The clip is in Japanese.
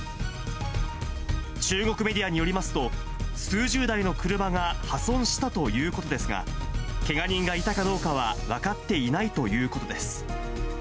中国メディアによりますと、数十台の車が破損したということですが、けが人がいたかどうかは分かっていないということです。